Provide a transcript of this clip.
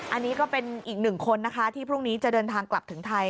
อันนี้ก็เป็นอีกหนึ่งคนนะคะที่พรุ่งนี้จะเดินทางกลับถึงไทย